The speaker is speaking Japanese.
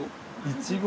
いちご。